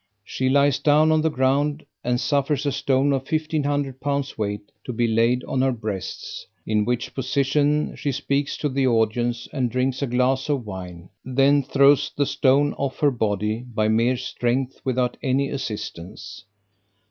She lies down on the ground, and suffers a stone of 1500 pounds weight to be laid on her breasts, in which position she speaks to the audience, and drinks a glass of wine, then throws the stone off her body by mere strength, without any assistance.